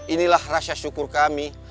inilah rahsia syukur kami